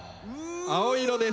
青色です。